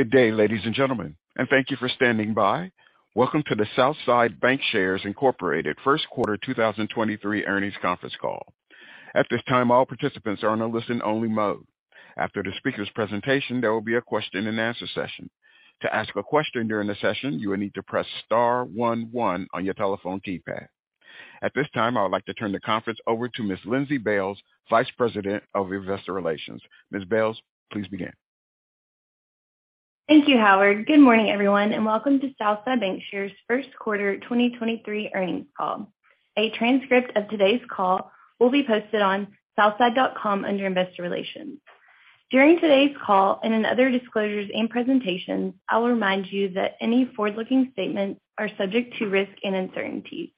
Good day, ladies and gentlemen and thank you for standing by. Welcome to the Southside Bancshares Incorporated 1st 2023 earnings conference call. At this time, all participants are in a listen-only mode. After the speaker's presentation, there will be a question-and-answer session. To ask a question during the session, you will need to press star one one on your telephone keypad. At this time, I would like to turn the conference over to Ms. Lindsey Bailes, Vice President of Investor Relations. Ms. Bailes, please begin. Thank you, Howard. Good morning, everyone, and welcome to Southside Bancshares First Quarter 2023 Earnings Call. A transcript of today's call will be posted on southside.com under Investor Relations. During today's call and in other disclosures and presentations, I will remind you that any forward-looking statements are subject to risk and uncertainties.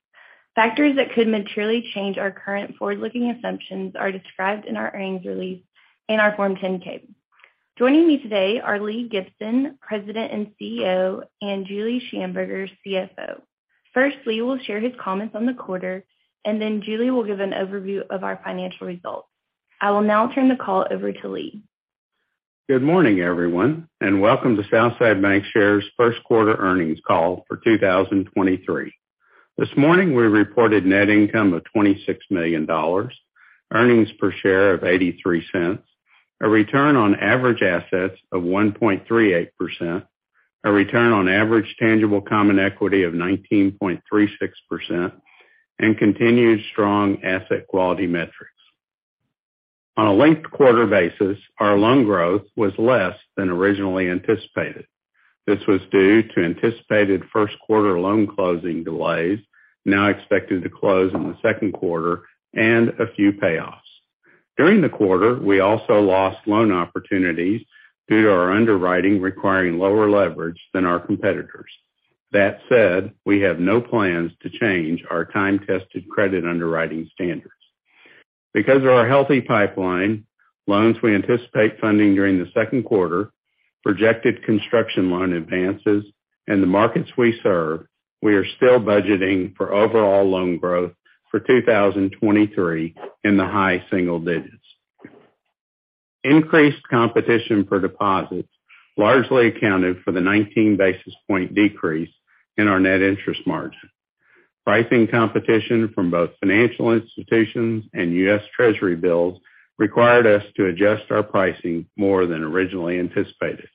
Factors that could materially change our current forward-looking assumptions are described in our earnings release in our Form 10-K. Joining me today are Lee Gibson, President and CEO, and Julie Shamburger, CFO. First, Lee will share his comments on the quarter, and then Julie will give an overview of our financial results. I will now turn the call over to Lee. Good morning, everyone, welcome to Southside Bancshares first quarter earnings call for 2023. This morning, we reported net income of $26 million, earnings per share of $0.83, a return on average assets of 1.38%, a return on average tangible common equity of 19.36%, and continued strong asset quality metrics. On a linked quarter basis, our loan growth was less than originally anticipated. This was due to anticipated first quarter loan closing delays, now expected to close in the second quarter and a few payoffs. During the quarter, we also lost loan opportunities due to our underwriting requiring lower leverage than our competitors. That said, we have no plans to change our time-tested credit underwriting standards. Because of our healthy pipeline, loans we anticipate funding during the second quarter, projected construction loan advances, and the markets we serve, we are still budgeting for overall loan growth for 2023 in the high single digits. Increased competition for deposits largely accounted for the 19 basis point decrease in our net interest margin. Pricing competition from both financial institutions and U.S. Treasury bills required us to adjust our pricing more than originally anticipated.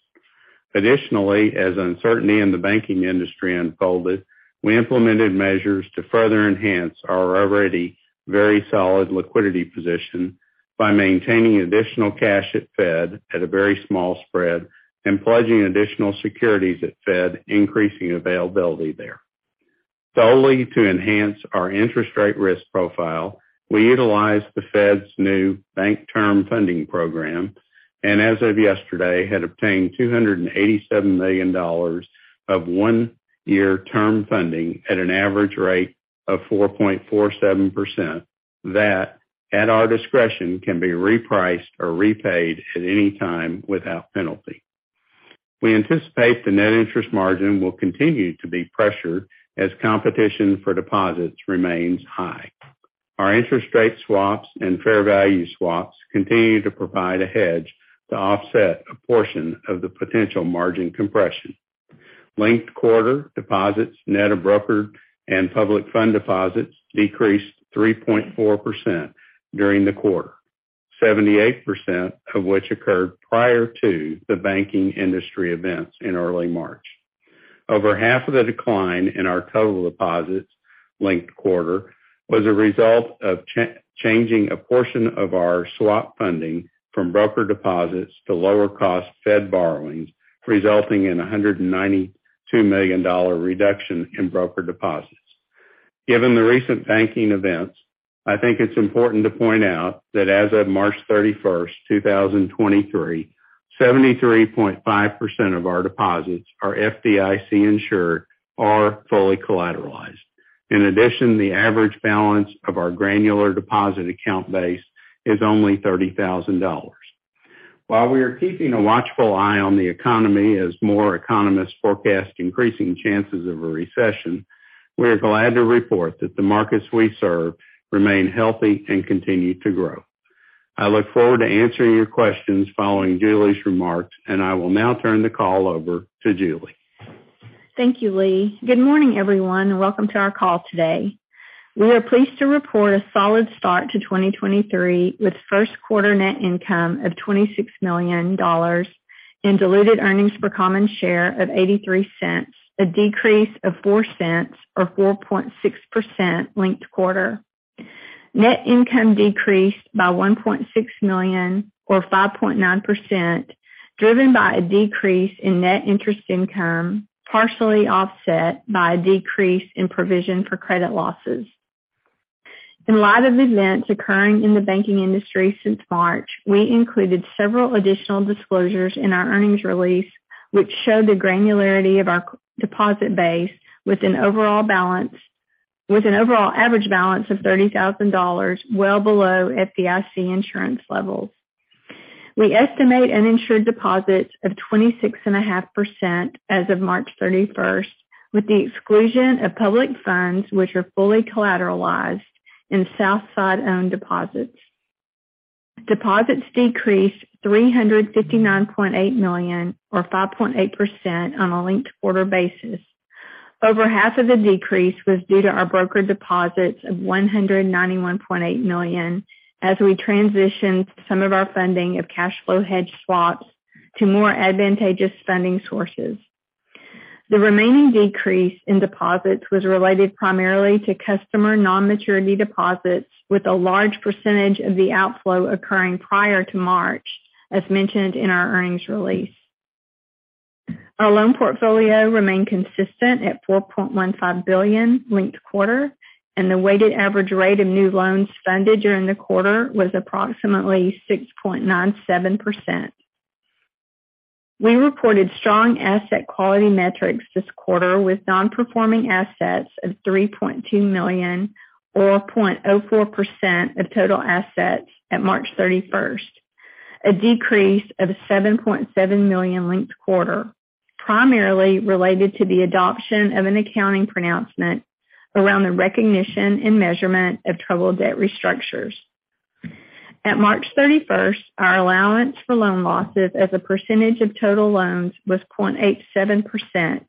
Additionally, as uncertainty in the banking industry unfolded, we implemented measures to further enhance our already very solid liquidity position by maintaining additional cash at Fed at a very small spread and pledging additional securities at Fed, increasing availability there. Solely to enhance our interest rate risk profile, we utilized the Fed's new Bank Term Funding Program and, as of yesterday, had obtained $287 million of 1-year term funding at an average rate of 4.47% that, at our discretion, can be repriced or repaid at any time without penalty. We anticipate the net interest margin will continue to be pressured as competition for deposits remains high. Our interest rate swaps and fair value swaps continue to provide a hedge to offset a portion of the potential margin compression. Linked quarter deposits net of broker and public fund deposits decreased 3.4% during the quarter, 78% of which occurred prior to the banking industry events in early March. Over half of the decline in our total deposits linked quarter was a result of changing a portion of our swap funding from broker deposits to lower cost Fed borrowings, resulting in a $192 million reduction in broker deposits. Given the recent banking events, I think it's important to point out that as of March 31, 2023, 73.5% of our deposits are FDIC insured or fully collateralized. In addition, the average balance of our granular deposit account base is only $30,000. While we are keeping a watchful eye on the economy as more economists forecast increasing chances of a recession, we are glad to report that the markets we serve remain healthy and continue to grow. I look forward to answering your questions following Julie's remarks, and I will now turn the call over to Julie. Thank you, Lee. Good morning, everyone, and welcome to our call today. We are pleased to report a solid start to 2023, with first quarter net income of $26 million and diluted earnings per common share of $0.83, a decrease of $0.04 or 4.6% linked quarter. Net income decreased by $1.6 million or 5.9%, driven by a decrease in net interest income, partially offset by a decrease in provision for credit losses. In light of events occurring in the banking industry since March, we included several additional disclosures in our earnings release, which show the granularity of our deposit base with an overall average balance of $30,000, well below FDIC insurance levels. We estimate uninsured deposits of 26.5% as of March 31st, with the exclusion of public funds, which are fully collateralized in Southside-owned deposits. Deposits decreased $359.8 million or 5.8% on a linked quarter basis. Over half of the decrease was due to our broker deposits of $191.8 million as we transitioned some of our funding of cash flow hedge swaps to more advantageous funding sources. The remaining decrease in deposits was related primarily to customer non-maturity deposits, with a large percentage of the outflow occurring prior to March as mentioned in our earnings release. Our loan portfolio remained consistent at $4.15 billion linked quarter, and the weighted average rate of new loans funded during the quarter was approximately 6.97%. We reported strong asset quality metrics this quarter, with non-performing assets of $3.2 million or 0.04% of total assets at March 31st, a decrease of $7.7 million linked quarter, primarily related to the adoption of an accounting pronouncement around the recognition and measurement of troubled debt restructures. At March 31st, our allowance for loan losses as a percentage of total loans was 0.87%,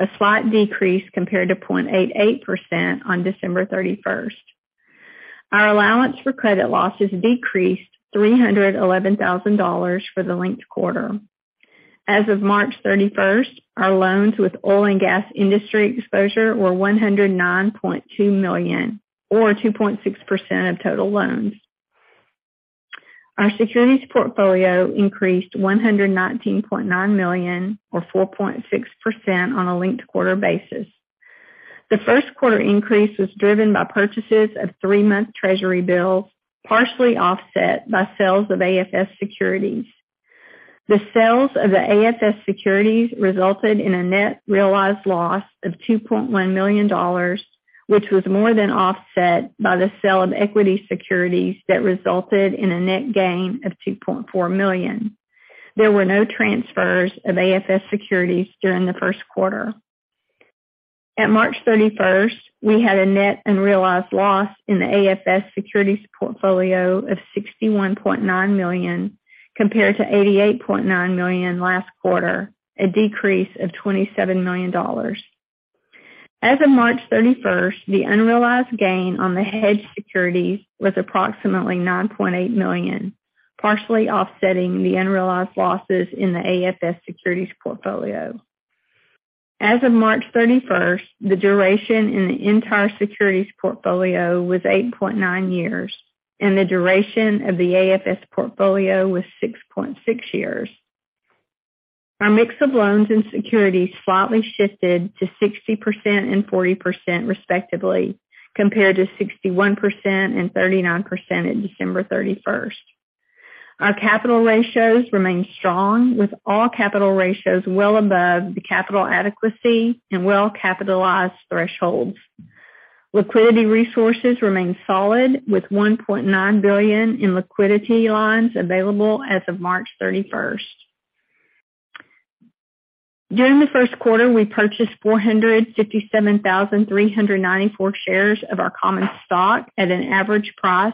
a slight decrease compared to 0.88% on December 31st. Our allowance for credit losses decreased $311,000 for the linked quarter. As of March 31st, our loans with oil and gas industry exposure were $109.2 million or 2.6% of total loans. Our securities portfolio increased $119.9 million or 4.6% on a linked quarter basis. The first quarter increase was driven by purchases of 3-month Treasury bills, partially offset by sales of AFS securities. The sales of the AFS securities resulted in a net realized loss of $2.1 million, which was more than offset by the sale of equity securities that resulted in a net gain of $2.4 million. There were no transfers of AFS securities during the first quarter. At March 31st, we had a net unrealized loss in the AFS securities portfolio of $61.9 million compared to $88.9 million last quarter, a decrease of $27 million. As of March 31st, the unrealized gain on the hedged securities was approximately $9.8 million, partially offsetting the unrealized losses in the AFS securities portfolio. As of March 31st, the duration in the entire securities portfolio was 8.9 years, and the duration of the AFS portfolio was 6.6 years. Our mix of loans and securities slightly shifted to 60% and 40% respectively, compared to 61% and 39% at December 31st. Our capital ratios remain strong, with all capital ratios well above the capital adequacy and well-capitalized thresholds. Liquidity resources remain solid, with $1.9 billion in liquidity lines available as of March 31st. During the first quarter, we purchased 457,394 shares of our common stock at an average price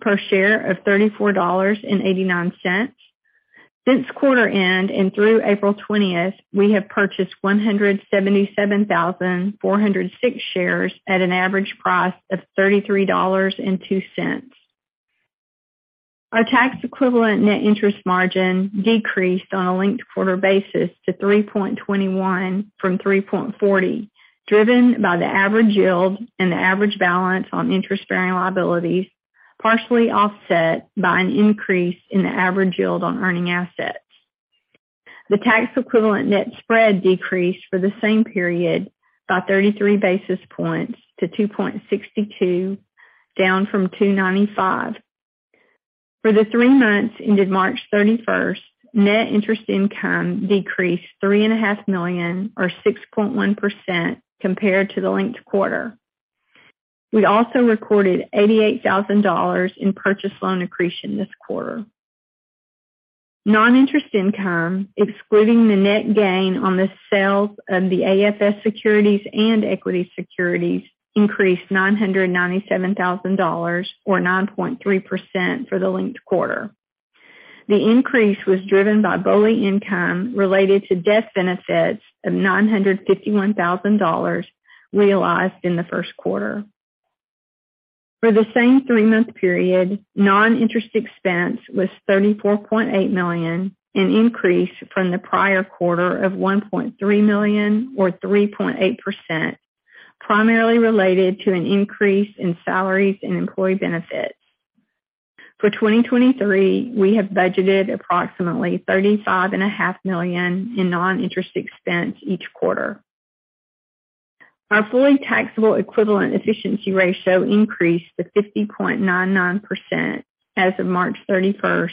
per share of $34.89. Since quarter end and through April 20th, we have purchased 177,406 shares at an average price of $33.02. Our tax equivalent net interest margin decreased on a linked quarter basis to 3.21% from 3.40%, driven by the average yield and the average balance on interest-bearing liabilities, partially offset by an increase in the average yield on earning assets. The tax equivalent net spread decreased for the same period by 33 basis points to 2.62%, down from 2.95%. For the 3 months ended March 31st, net interest income decreased $3.5 million or 6.1% compared to the linked quarter. We also recorded $88,000 in purchase loan accretion this quarter. Non-interest income, excluding the net gain on the sales of the AFS securities and equity securities, increased $997,000 or 9.3% for the linked quarter. The increase was driven by BOLI income related to death benefits of $951,000 realized in the first quarter. For the same 3-month period, non-interest expense was $34.8 million, an increase from the prior quarter of $1.3 million or 3.8%, primarily related to an increase in salaries and employee benefits. For 2023, we have budgeted approximately $ thirty-five and a half million in non-interest expense each quarter. Our fully taxable equivalent efficiency ratio increased to 50.99% as of March 31st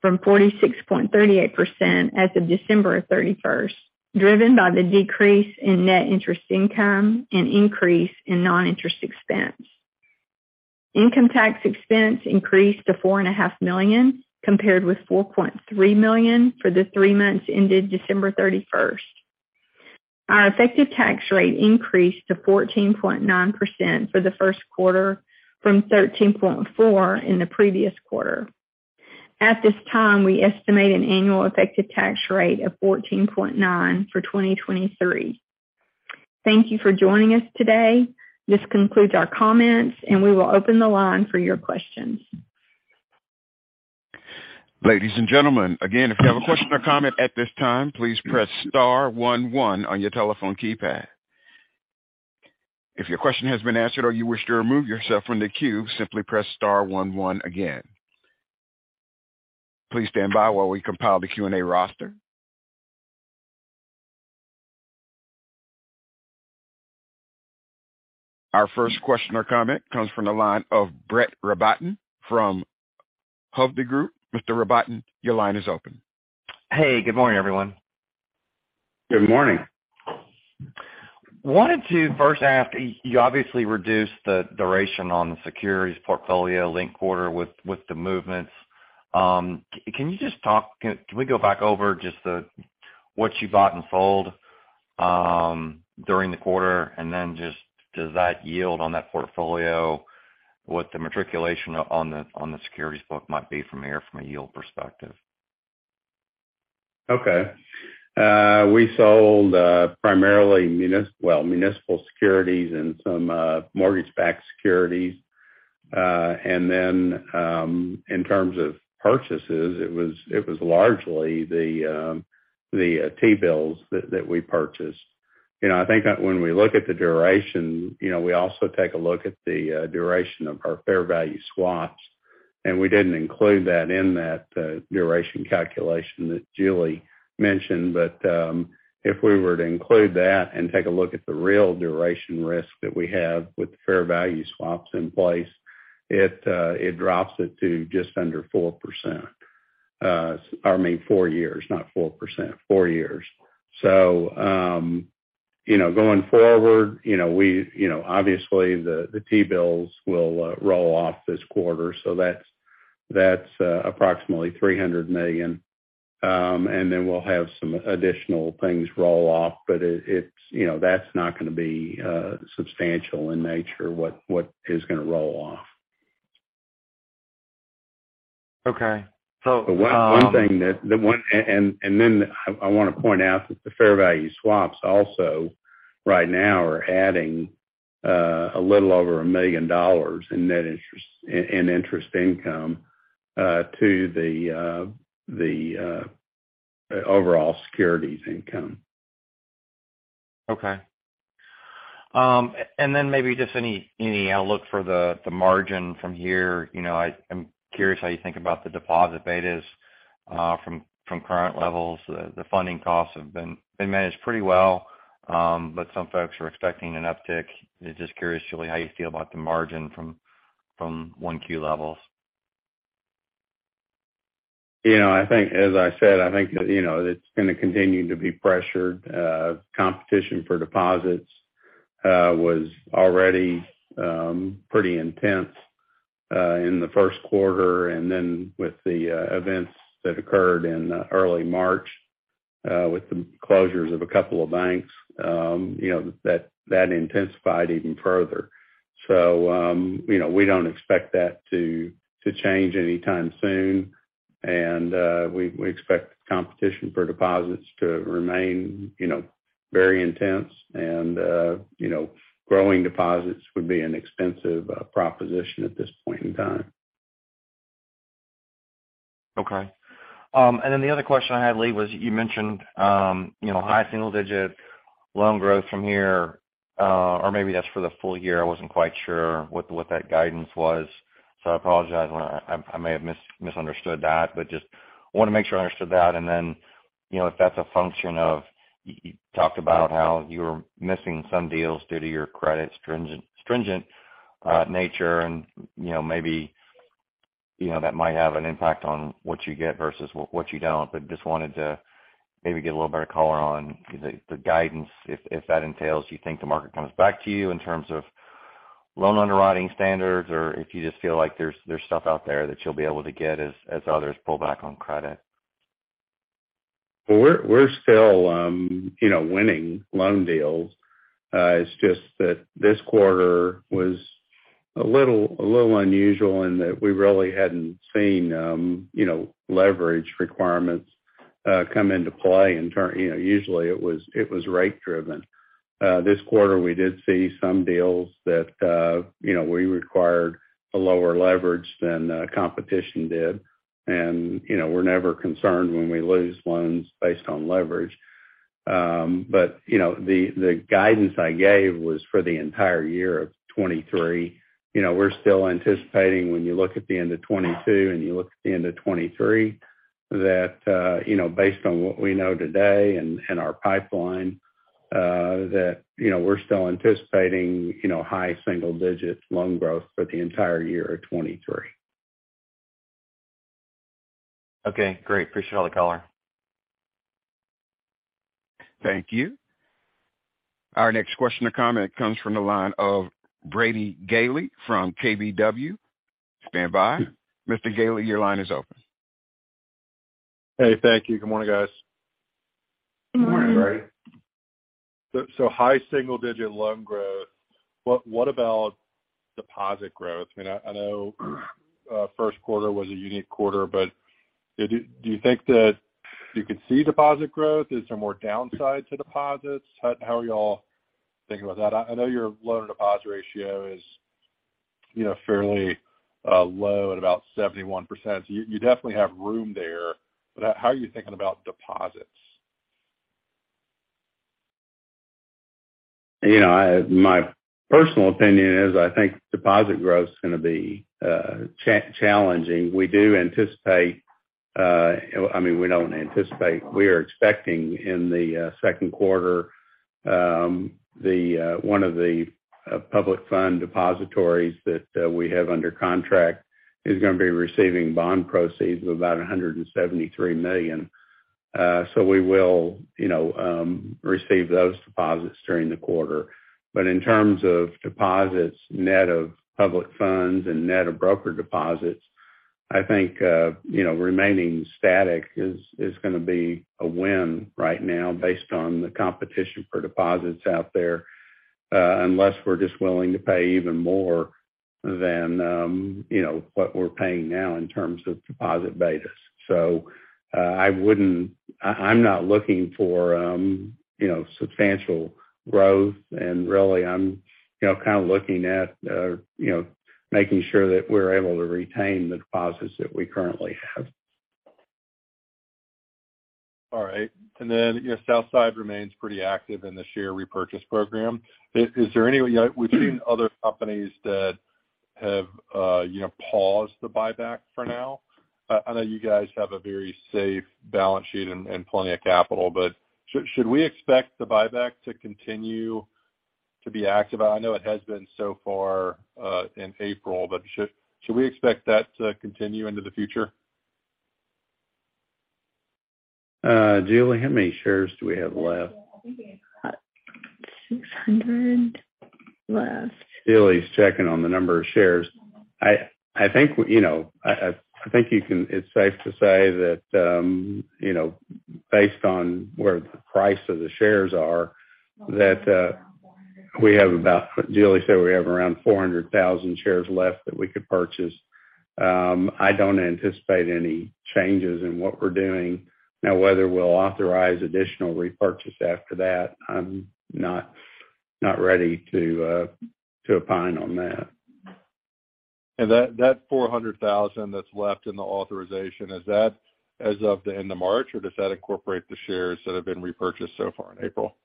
from 46.38% as of December 31st, driven by the decrease in net interest income and increase in non-interest expense. Income tax expense increased to four and a half million, compared with $4.3 million for the 3 months ended December 31st. Our effective tax rate increased to 14.9% for the 1st quarter from 13.4% in the previous quarter. At this time, we estimate an annual effective tax rate of 14.9% for 2023. Thank you for joining us today. This concludes our comments. We will open the line for your questions. Ladies and gentlemen, again, if you have a question or comment at this time, please press star one one on your telephone keypad. If your question has been answered or you wish to remove yourself from the queue, simply press star one one again. Please stand by while we compile the Q&A roster. Our first question or comment comes from the line of Brett Rabatin from Hovde Group. Mr. Rabatin, your line is open. Hey, good morning, everyone. Good morning. Wanted to first ask, you obviously reduced the duration on the securities portfolio linked quarter with the movements. Can you just talk? Can we go back over just what you bought and sold during the quarter? Does that yield on that portfolio, what the matriculation on the securities book might be from here, from a yield perspective? Okay. We sold primarily municipal securities and some mortgage-backed securities. Then, in terms of purchases, it was largely the T-bills that we purchased. You know, I think that when we look at the duration, you know, we also take a look at the duration of our fair value swaps, and we didn't include that in that duration calculation that Julie mentioned. If we were to include that and take a look at the real duration risk that we have with fair value swaps in place, it drops it to just under 4%. I mean, 4 years, not 4%. 4 years. You know, going forward, you know, we, you know, obviously the T-bills will roll off this quarter, that's approximately $300 million. We'll have some additional things roll off. It's, you know, that's not gonna be substantial in nature, what is gonna roll off. Okay. Then I want to point out that the fair value swaps also right now are adding, a little over $1 million in interest income, to the overall securities income. Then maybe just any outlook for the margin from here. You know, I'm curious how you think about the deposit betas from current levels. The funding costs have been managed pretty well, but some folks are expecting an uptick. Just curious, Julie, how you feel about the margin from 1Q levels. I think, as I said, I think, you know, it's gonna continue to be pressured. Competition for deposits was already pretty intense in the first quarter. With the events that occurred in early March, with the closures of a couple of banks, you know, that intensified even further. You know, we don't expect that to change anytime soon. We expect competition for deposits to remain, you know, very intense. You know, growing deposits would be an expensive proposition at this point in time. Okay. The other question I had, Lee, was you mentioned, you know, high single-digit loan growth from here, or maybe that's for the full year. I wasn't quite sure what that guidance was, so I apologize. I may have misunderstood that, but just wanna make sure I understood that. You know, if that's a function of, you talked about how you were missing some deals due to your credit stringent nature and, you know, maybe, you know, that might have an impact on what you get versus what you don't. Just wanted to maybe get a little better color on the guidance if that entails you think the market comes back to you in terms of loan underwriting standards or if you just feel like there's stuff out there that you'll be able to get as others pull back on credit? We're still, you know, winning loan deals. It's just that this quarter was a little unusual in that we really hadn't seen, you know, leverage requirements come into play in term... You know, usually it was rate-driven. This quarter, we did see some deals that, you know, we required a lower leverage than the competition did. You know, we're never concerned when we lose loans based on leverage. You know, the guidance I gave was for the entire year of 23. You know, we're still anticipating when you look at the end of 22 and you look at the end of 23, that, you know, based on what we know today and our pipeline, that, you know, we're still anticipating, you know, high single digits loan growth for the entire year of 23. Okay, great. Appreciate all the color. Thank you. Our next question or comment comes from the line of Brady Gailey from KBW. Standby. Mr. Gailey, your line is open. Hey, thank you. Good morning, guys. Good morning. High single-digit loan growth. What about deposit growth? I mean, I know first quarter was a unique quarter, but do you think that you could see deposit growth? Is there more downside to deposits? How are y'all thinking about that? I know your loan-to-deposit ratio is, you know, fairly low at about 71%. You definitely have room there. How are you thinking about deposits? You know, I, my personal opinion is I think deposit growth is gonna be challenging. We do anticipate, I mean, we don't anticipate, we are expecting in the second quarter, the one of the Public Funds depositories that we have under contract is gonna be receiving bond proceeds of about $173 million. We will, you know, receive those deposits during the quarter. In terms of deposits net of Public Funds and net of broker deposits, I think, you know, remaining static is gonna be a win right now based on the competition for deposits out there, unless we're just willing to pay even more than, you know, what we're paying now in terms of Deposit Betas. I'm not looking for, you know, substantial growth and really I'm, you know, kind of looking at, you know, making sure that we're able to retain the deposits that we currently have. All right. You know, Southside remains pretty active in the share repurchase program. We've seen other companies that have, you know, paused the buyback for now. I know you guys have a very safe balance sheet and plenty of capital, but should we expect the buyback to continue to be active? I know it has been so far in April, but should we expect that to continue into the future? Julie, how many shares do we have left? $600 left. Julie's checking on the number of shares. I think, you know, I think it's safe to say that, you know, based on where the price of the shares are, that Julie said we have around 400,000 shares left that we could purchase. I don't anticipate any changes in what we're doing. Whether we'll authorize additional repurchase after that, I'm not ready to opine on that. That 400,000 that's left in the authorization, is that as of the end of March, or does that incorporate the shares that have been repurchased so far in April?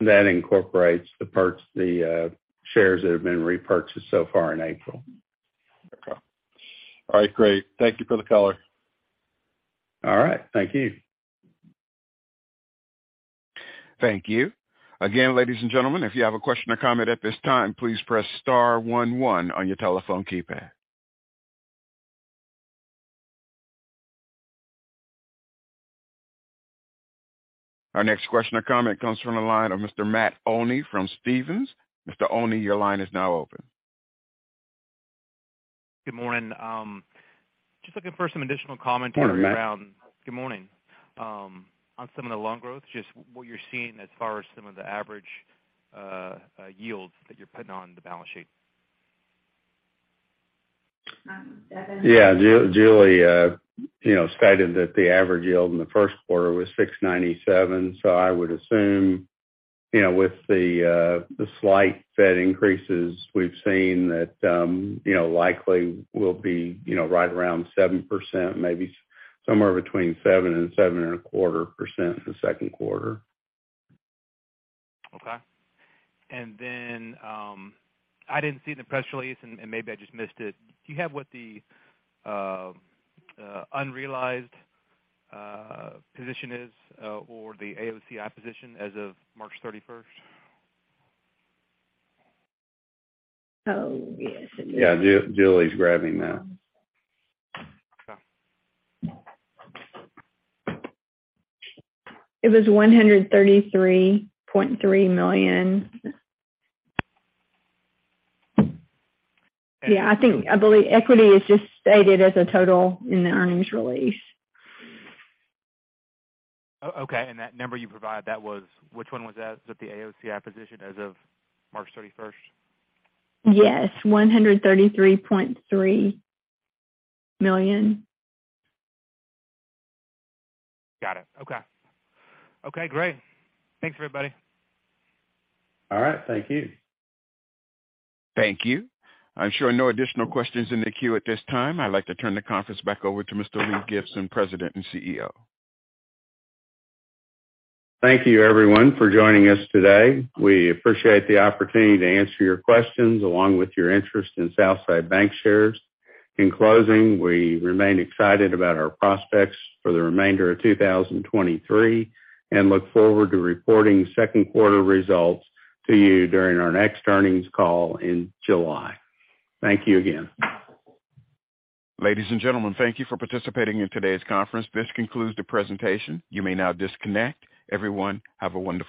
That incorporates the shares that have been repurchased so far in April. Okay. All right, great. Thank you for the color. All right. Thank you. Thank you. Again, ladies and gentlemen, if you have a question or comment at this time, please press star one one on your telephone keypad. Our next question or comment comes from the line of Mr. Matt Olney from Stephens. Mr. Olney, your line is now open. Good morning. just looking for some additional commentary. Morning, Matt. Good morning. On some of the loan growth, just what you're seeing as far as some of the average yields that you're putting on the balance sheet. Yeah, Julie, you know, stated that the average yield in the first quarter was 6.97%. I would assume, you know, with the slight Fed increases we've seen that, you know, likely we'll be, you know, right around 7%, maybe somewhere between 7% and 7.25% for the second quarter. Okay. I didn't see the press release and maybe I just missed it. Do you have what the unrealized position is, or the AOCI position as of March 31st? Oh, yes. Yeah. Julie's grabbing that. Okay. It was $133.3 million. Yeah, I think, I believe equity is just stated as a total in the earnings release. Okay. That number you provided, which one was that? Was that the AOCI position as of March 31st? Yes. $133.3 million. Got it. Okay. Okay, great. Thanks, everybody. All right. Thank you. Thank you. I'm showing no additional questions in the queue at this time. I'd like to turn the conference back over to Mr. Lee Gibson, President and CEO. Thank you everyone for joining us today. We appreciate the opportunity to answer your questions along with your interest in Southside Bancshares. In closing, we remain excited about our prospects for the remainder of 2023 and look forward to reporting second quarter results to you during our next earnings call in July. Thank you again. Ladies and gentlemen, thank you for participating in today's conference. This concludes the presentation. You may now disconnect. Everyone, have a wonderful day.